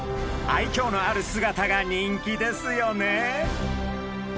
愛きょうのある姿が人気ですよね。